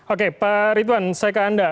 oke pak ridwan saya ke anda